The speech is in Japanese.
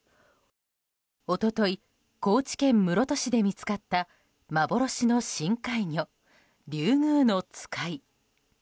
一昨日、高知県室戸市で見つかった幻の深海魚リュウグウノツカイ。